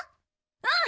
うん！